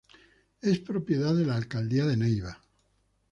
Es propiedad de la alcaldía de Neiva.